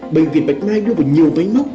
bệnh viện bạch mai đưa vào nhiều máy móc